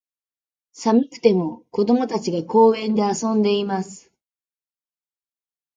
寒くても、子供たちが、公園で遊んでいます。